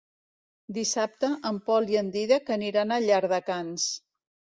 Dissabte en Pol i en Dídac aniran a Llardecans.